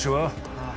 ああ